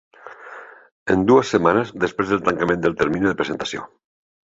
En dues setmanes després del tancament del termini de presentació.